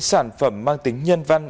sản phẩm mang tính nhân văn